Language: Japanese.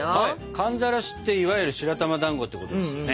寒ざらしっていわゆる白玉だんごってことですよね。